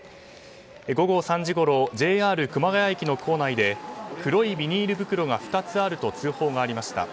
午後３時ごろＪＲ熊谷駅の構内で黒いビニール袋が２つあると通報がありました。